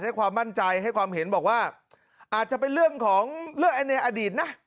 ให้ความมั่นใจให้ความเห็นบอกว่าอาจจะเป็นเรื่องของเรื่องในอดีตนะ